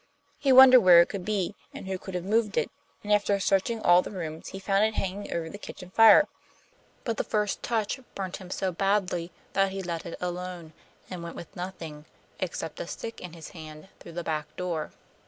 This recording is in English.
He wondered where it could be, and who could have moved it, and after searching through all the rooms, he found it hanging over the kitchen fire. But the first touch burnt him so badly that he let it alone, and went with nothing, except a stick in his hand, through the back door.